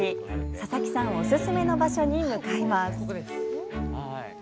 佐々木さんおすすめの場所に向かいます。